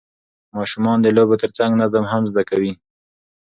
ماشومان د لوبو ترڅنګ نظم هم زده کوي